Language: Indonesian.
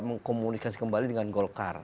mengkomunikasi kembali dengan golkar